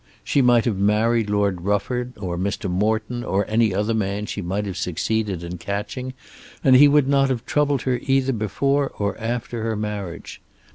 She might have married Lord Rufford, or Mr. Morton, or any other man she might have succeeded in catching, and he would not have troubled her either before or after her marriage.